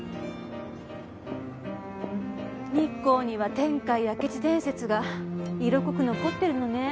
日光には天海・明智伝説が色濃く残ってるのね。